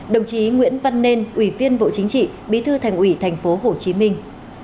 đồng chí nguyễn văn nên ủy viên bộ chính trị bí thư thành ủy tp hồ chí minh